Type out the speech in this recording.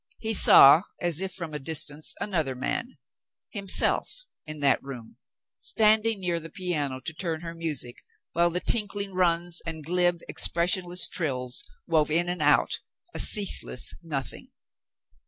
He saw, as if from a distance, another man, himself, in that room, standing near the piano to turn her music, while the tinkling runs and glib, expressionless trills wove in and out, a ceaseless nothing.